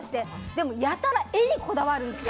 でもやたら画にこだわるんですよ。